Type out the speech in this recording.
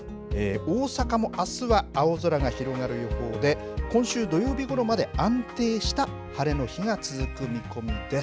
大阪もあすは青空が広がる予報で、今週土曜日ごろまで安定した晴れの日が続く見込みです。